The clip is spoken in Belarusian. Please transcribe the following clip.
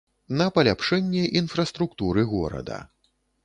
На паляпшэнне інфраструктуры горада.